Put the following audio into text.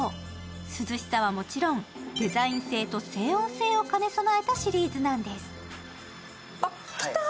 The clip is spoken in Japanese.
涼しさはもちろんデザイン性と静音性を兼ね備えたシリーズなんです。来た！